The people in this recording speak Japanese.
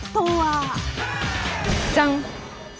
じゃん！